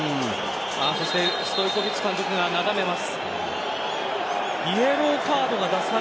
ストイコヴィッチ監督がなだめます。